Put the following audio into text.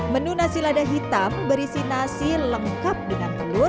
menu nasi lada hitam berisi nasi lengkap dengan telur